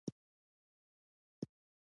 د غواګانو لپاره پاکې اوبه ورکول اړین دي.